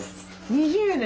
２０年！